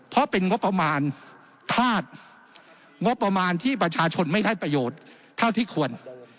เพราะเป็นงบประมาณธาตุงบประมาณที่ประชาชนไม่ได้ประโยชน์เท่าที่ควร